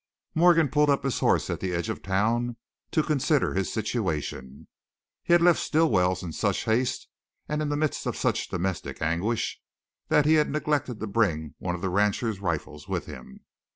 Morgan pulled up his horse at the edge of town, to consider his situation. He had left Stilwell's in such haste, and in the midst of such domestic anguish, that he had neglected to bring one of the rancher's rifles with him.